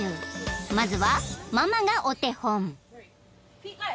［まずはママがお手本］